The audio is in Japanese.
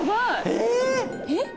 えっ？